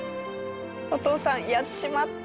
お父さん「やっちまった」。